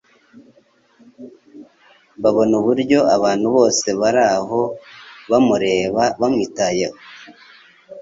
babona uburyo abantu bose bari aho bamureba bamwitayeho,